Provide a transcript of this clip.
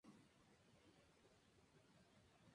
Plant Physiology